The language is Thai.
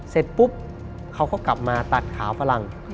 เสร็จปุ๊บเขาก็กลับมาตัดขาฝรั่ง